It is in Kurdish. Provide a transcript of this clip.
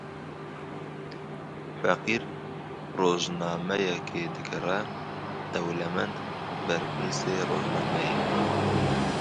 Feqîr rojnameyekê dikire, dewlemend berpirsê rojnameyê.